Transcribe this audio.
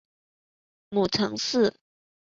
母程氏。